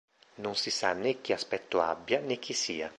Non si sa né che aspetto abbia né chi sia.